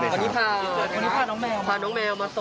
คุณคุณผ่าน้องแมวมาส่ง